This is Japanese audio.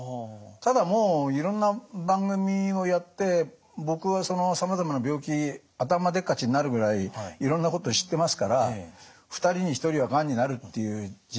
ただもういろんな番組をやって僕はさまざまな病気頭でっかちになるぐらいいろんなこと知ってますから２人に１人はがんになるっていう時代ですしね。